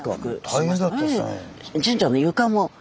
大変だったですね。